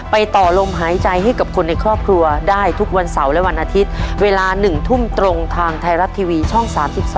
ต่อลมหายใจให้กับคนในครอบครัวได้ทุกวันเสาร์และวันอาทิตย์เวลา๑ทุ่มตรงทางไทยรัฐทีวีช่อง๓๒